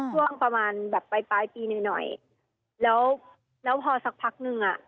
ช่วงประมาณแบบปลายปีหน่อยแล้วพอสักพักหนึ่ง